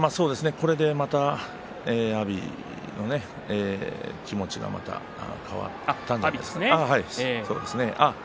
これでまた阿炎の気持ちがまた変わったんじゃないでしょうか。